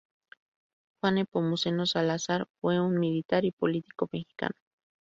Juan Nepomuceno Salazar fue un militar y político mexicano.